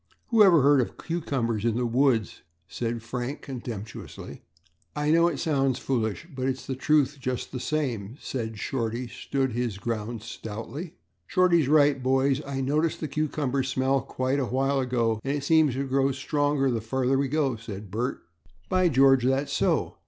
Whoever heard of cucumbers in the woods?" said Frank contemptuously. "I know it sounds foolish but it's the truth just the same," and Shorty stood his ground stoutly. "Shorty's right, boys: I noticed the cucumber smell quite a while ago and it seems to grow stronger the farther we go," said Bert. "By George, that's so!